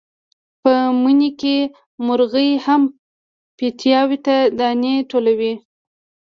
په مني کې مرغۍ هم پیتاوي ته دانې ټولوي.